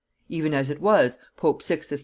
Even as it was, pope Sixtus V.